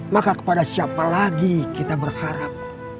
maka kepada siapa lagi kita berharap